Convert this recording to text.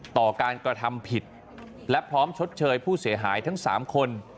ต่อการกระทำผิดและพร้อมชดเชยผู้เสียหายทั้ง๓คน